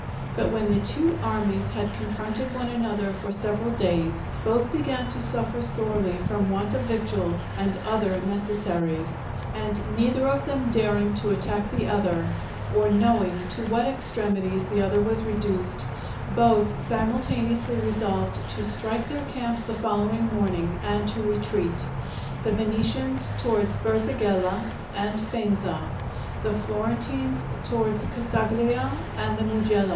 But when the two armies had confronted one another for several days, both began to suffer sorely from want of victuals and other necessaries, and neither of them daring to attack the other, or knowing to what extremities the other was reduced, both simultaneously resolved to strike their camps the following morning, and to retreat, the Venetians towards Berzighella and Faenza, the Florentines towards Casaglia and the Mugello.